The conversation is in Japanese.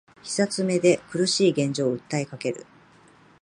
膝詰めで苦しい現状を訴えかける